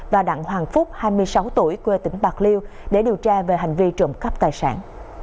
và đặng hoàng phúc hai mươi sáu tuổi quê tỉnh bạc liêu để điều tra về hành vi trộm cắp tài sản